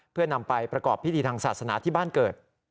เพื่อนำไปประกอบพิธีทางศาสนาที่บ้านเกิด